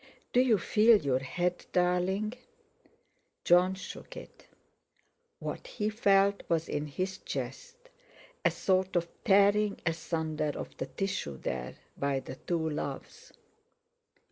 "Do you feel your head, darling?" Jon shook it. What he felt was in his chest—a sort of tearing asunder of the tissue there, by the two loves.